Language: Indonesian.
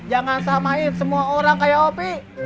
jangan samain semua orang kayak opi